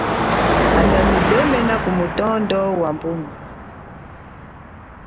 Kanda nubemena ku mutonda wa mbuma.